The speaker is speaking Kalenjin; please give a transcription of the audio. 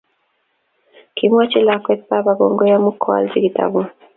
Kimwochi lakwet baba kongoi amu koalji kitabut